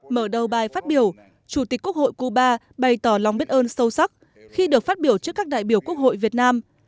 mở đầu bài phát biểu chủ tịch quốc hội cuba bày tỏ lòng biết ơn sâu sắc khi được phát biểu trước các đại biểu quốc hội việt nam